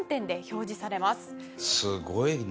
すごいな。